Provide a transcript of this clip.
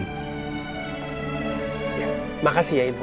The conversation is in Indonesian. ya makasih ya ibu